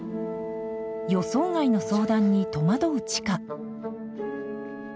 予想外の相談に戸惑う知花。